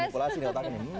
memanipulasi otak ini